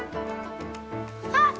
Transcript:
あっ！